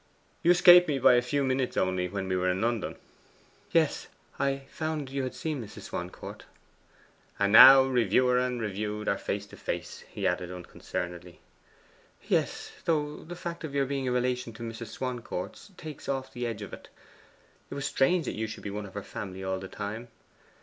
You escaped me by a few minutes only when we were in London.' 'Yes. I found that you had seen Mrs. Swancourt.' 'And now reviewer and reviewed are face to face,' he added unconcernedly. 'Yes: though the fact of your being a relation of Mrs. Swancourt's takes off the edge of it. It was strange that you should be one of her family all the time.